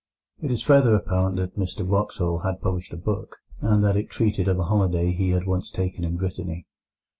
It is further apparent that Mr Wraxall had published a book, and that it treated of a holiday he had once taken in Brittany.